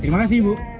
terima kasih ibu